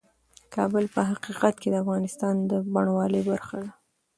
کابل په حقیقت کې د افغانستان د بڼوالۍ برخه ده.